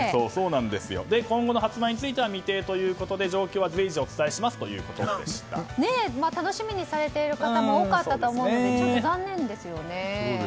今後の発売については未定ということで、状況は楽しみにされている方も多かったということでちょっと残念ですよね。